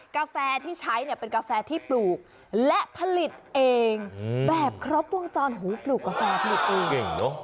กาแฟที่ใช้เนี่ยเป็นกาแฟที่ปลูกและผลิตเองแบบครบวงจรหูปลูกกาแฟผลิตเองเก่งเนอะ